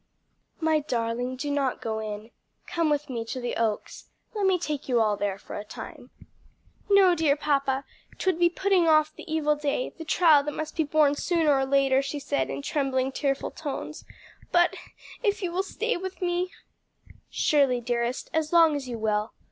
"My darling, do not go in. Come with me to the Oaks; let me take you all there for a time." "No, dear papa; 'twould be but putting off the evil day the trial that must be borne sooner or later," she said in trembling, tearful tones. "But if you will stay with me " "Surely, dearest, as long as you will.